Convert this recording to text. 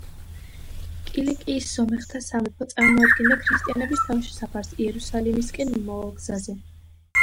კილიკიის სომეხთა სამეფო წარმოადგენდა ქრისტიანების თავშესაფარს იერუსალიმისკენ მიმავალ გზაზე.